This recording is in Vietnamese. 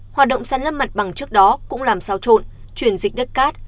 hoạt động săn lấp mặt bằng trước đó cũng làm sao trộn chuyển dịch đất cát